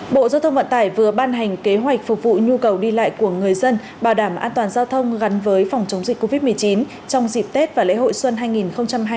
bộ giao thông vận tải vừa ban hành kế hoạch phục vụ nhu cầu đi lại của người dân bảo đảm an toàn giao thông gắn với phòng chống dịch covid một mươi chín trong dịp tết và lễ hội xuân hai nghìn hai mươi